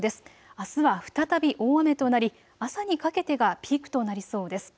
あすは再び大雨となり朝にかけてがピークとなりそうです。